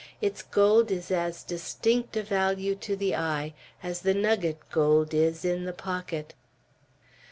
Its gold is as distinct a value to the eye as the nugget gold is in the pocket.